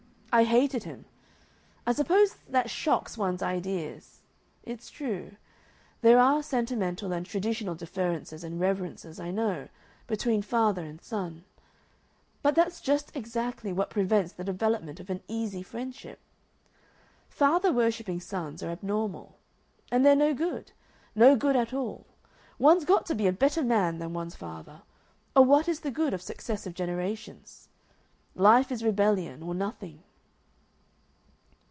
I hated him. I suppose that shocks one's ideas.... It's true.... There are sentimental and traditional deferences and reverences, I know, between father and son; but that's just exactly what prevents the development of an easy friendship. Father worshipping sons are abnormal and they're no good. No good at all. One's got to be a better man than one's father, or what is the good of successive generations? Life is rebellion, or nothing."